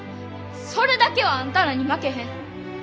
それだけはあんたらに負けへん。